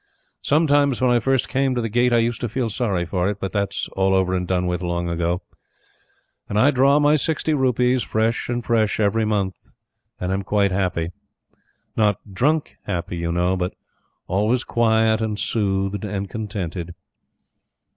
Sometimes when I first came to the Gate, I used to feel sorry for it; but that's all over and done with long ago, and I draw my sixty rupees fresh and fresh every month, and am quite happy. Not DRUNK happy, you know, but always quiet and soothed and contented.